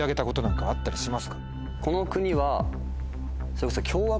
この国は。